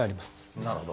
なるほど。